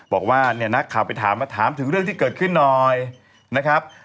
บอกว่าเนี่ยนักข่าวไปถามมาถามถึงเรื่องที่เกิดขึ้นหน่อยนะครับ